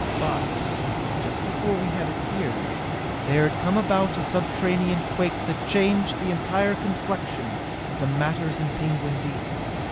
But just before we had appeared, there had come about a subterranean quake that changed the entire complexion of matters in Penguin Deep.